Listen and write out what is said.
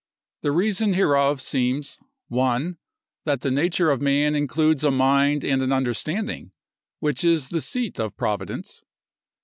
The reason hereof seems, 1. That the nature of man includes a mind and understanding, which is the seat of Providence.